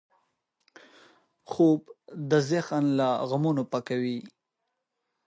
خوب د ذهن له غمونو پاکوي